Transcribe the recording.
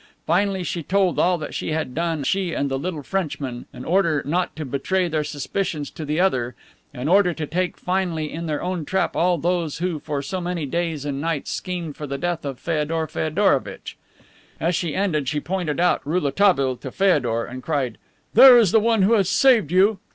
Finally she told all that she had done, she and the little Frenchman, in order not to betray their suspicions to The Other, in order to take finally in their own trap all those who for so many days and nights schemed for the death of Feodor Feodorovitch. As she ended she pointed out Rouletabille to Feodor and cried, "There is the one who has saved you."